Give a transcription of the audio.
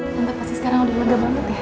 tetap pasti sekarang udah lega banget ya